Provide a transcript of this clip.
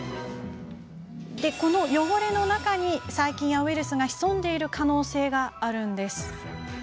この汚れの中に細菌やウイルスが潜んでいる可能性があるんです。